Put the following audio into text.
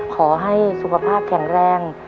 ขอให้สุขภาพแข็งแรง